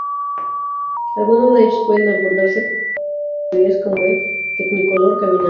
Algunos de ellos pueden abordarse con una clase de teorías como el technicolor "caminante".